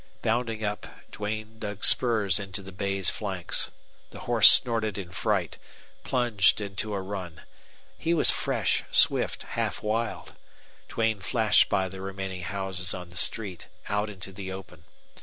Bounding up, Duane dug spurs into the bay's flanks. The horse snorted in fright, plunged into a run. He was fresh, swift, half wild. Duane flashed by the remaining houses on the street out into the open.